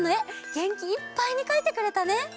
げんきいっぱいにかいてくれたね。